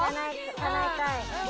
かなえたい。